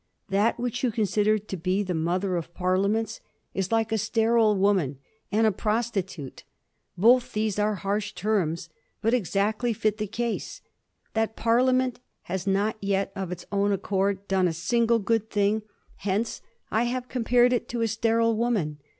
That which you consider to be the Mother of Parliaments is like a sterile woman and a prostitute. Both these are harsh terms, but exactly fit the case. That Parliament has not yet of its own accord done a single good thing, hence I have compared it to a sterile woman.